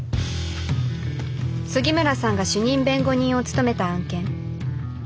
杉村さんが主任弁護人を務めた案件。